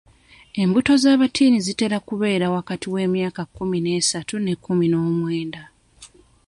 Embuto z'abatiini zitera ku beera wakati w'emyaka ekkumi n'esaatu n'ekkumi n'omwenda.